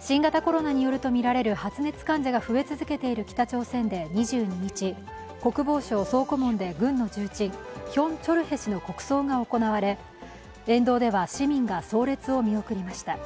新型コロナによるとみられる発熱患者が増え続けている北朝鮮で２２日国防省総顧問で軍の重鎮、ヒョン・チョルヘ氏の国葬が行われ、沿道では市民が葬列を見送りました。